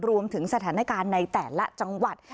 รวมถึงสถานการณ์ในแต่ละจังหวัด